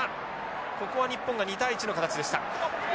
ここは日本が２対１の形でした。